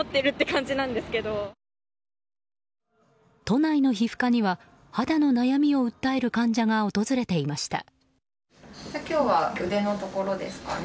都内の皮膚科には、肌の悩みを訴える患者が訪れていました。